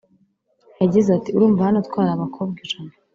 Yagize ati" Urumva hano twari abakobwa ijana